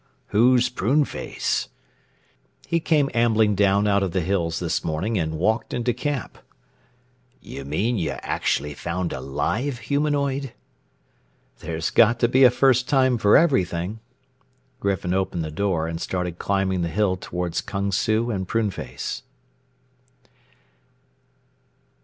"Who's Pruneface?" "He came ambling down out of the hills this morning and walked into camp." "You mean you've actually found a live humanoid?" "There's got to be a first time for everything." Griffin opened the door and started climbing the hill toward Kung Su and Pruneface.